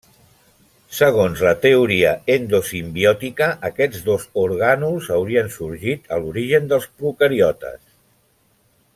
Segons la teoria endosimbiòtica, aquests dos orgànuls haurien sorgit a l'origen dels procariotes.